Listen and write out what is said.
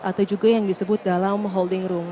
atau juga yang disebut dalam holding room